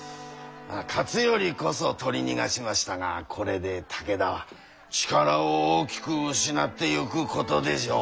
勝頼こそ取り逃がしましたがこれで武田は力を大きく失ってゆくことでしょう。